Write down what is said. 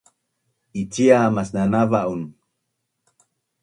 icia masnanava’un